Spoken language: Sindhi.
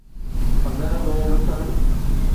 پگهر ۾ لٿل